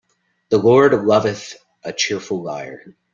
The Lord loveth a cheerful liar.